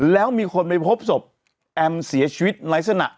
แล้วมีคนไปพบศพแอมเสียชีวิตไร้สนะ